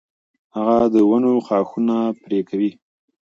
هغه د ونو ښاخونه نه پرې کوي.